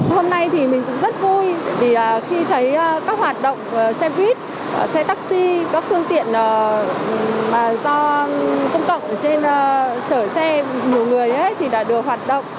hôm nay thì mình cũng rất vui khi thấy các hoạt động xe buýt xe taxi các thương tiện do công cộng trên trở xe nhiều người thì đã được hoạt động